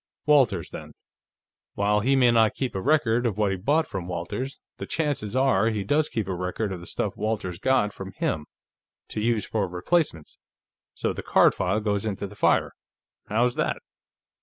"Walters, then. While he may not keep a record of what he bought from Walters, the chances are he does keep a record of the stuff Walters got from him, to use for replacements, so the card file goes into the fire. How's that?"